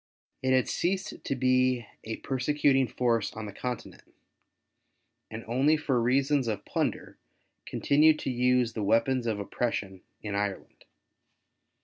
It had ceased to be a persecuting force on the Continent, and only for reasons of plunder continued to use the Aveapons of oppression in Ireland.